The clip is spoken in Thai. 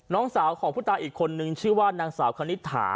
น้องสาวของผู้ตายอีกคนนึงชื่อว่านางสาวคณิตถา